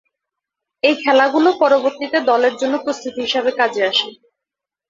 এই খেলাগুলো পরবর্তীতে দলের জন্য প্রস্তুতি হিসাবে কাজে আসে।